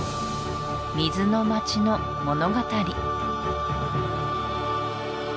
水の街の物語